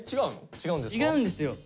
違うんですか？